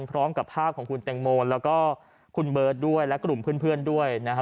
พร้อมกับภาพของคุณแตงโมแล้วก็คุณเบิร์ตด้วยและกลุ่มเพื่อนด้วยนะครับ